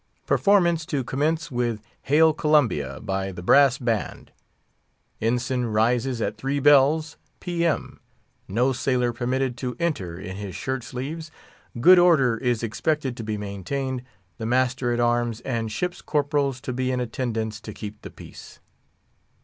Performance to commence with "Hail Columbia," by the Brass Band. Ensign rises at three bells, P.M. No sailor permitted to enter in his shirt sleeves. Good order is expected to be maintained. The Master at arms and Ship's Corporals to be in attendance to keep the peace.